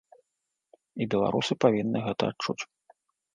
І беларусы павінны гэта адчуць.